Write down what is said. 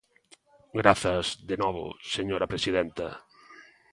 Grazas, de novo, señora presidenta.